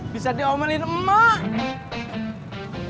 bisa diomelin emak